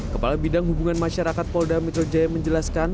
kepala bidang hubungan masyarakat polda metro jaya menjelaskan